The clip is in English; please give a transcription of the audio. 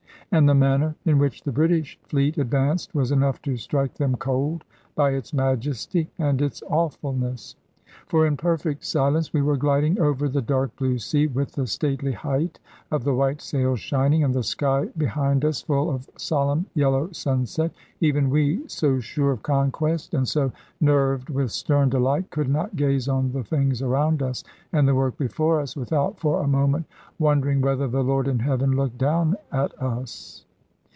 And the manner in which the British fleet advanced was enough to strike them cold by its majesty and its awfulness. For in perfect silence we were gliding over the dark blue sea, with the stately height of the white sails shining, and the sky behind us full of solemn yellow sunset. Even we, so sure of conquest, and so nerved with stern delight, could not gaze on the things around us, and the work before us, without for a moment wondering whether the Lord in heaven looked down at us.